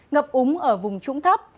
ngập úng ở vùng trũng thấp